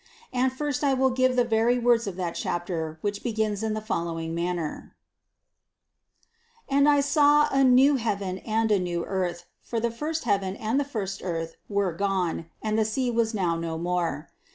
And first I will give the very words of that chapter which begins in the fol lowing manner : 245. 1. "And I saw a new heaven and a new earth. For the first heaven and the first earth were gone, and the sea was now no more.